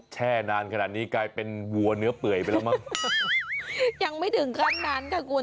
แช่นานขนาดนี้กลายเป็นวัวเนื้อเปื่อยไปแล้วมั้งยังไม่ถึงขั้นนั้นค่ะคุณ